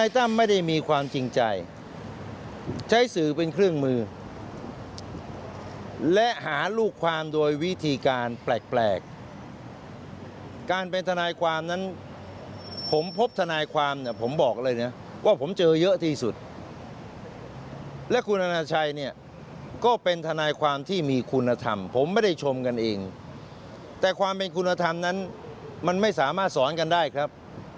แต่ความเป็นคุณธรรมนั้นมันไม่สามารถสอนกันได้ครับ